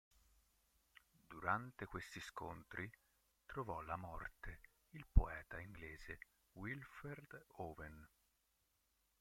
Durante questi scontri trovò la morte il poeta inglese Wilfred Owen.